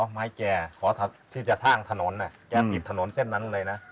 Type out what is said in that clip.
หมายไปขวางเอารวดน้ำไปขึง